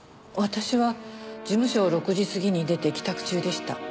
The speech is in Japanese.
私は事務所を６時過ぎに出て帰宅中でした。